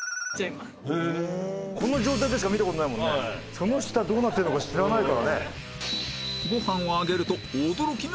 その下どうなってるのか知らないからね。